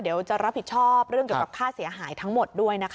เดี๋ยวจะรับผิดชอบเรื่องเกี่ยวกับค่าเสียหายทั้งหมดด้วยนะคะ